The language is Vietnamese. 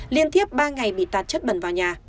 liên tiếp ba ngày bị tạt chất bẩn vào nhà